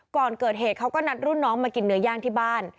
ก่อนเกิดเหตุเขาก็นัดรุ่นน้องมากินเนื้อย่างที่บ้าน